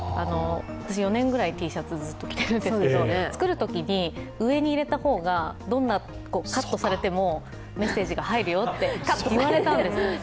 ４年ぐらいＴシャツずっと着ているんですけど、作るときに上に入れた方が、どんなカットされてもメッセージが入るよって言われたんですよ。